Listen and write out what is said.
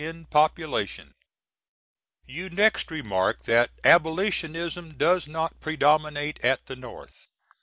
in pop^ln. You next remark that Abolitionism does not predominate at the North.